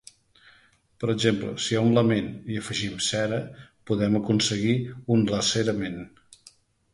Per exemple si a un «lament» hi afegim «cera» podem aconseguir un «laCERAment».